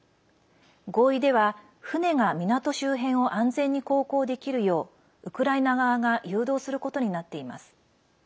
合意では船が港周辺を安全に航行できるようウクライナ側が誘導することになっています。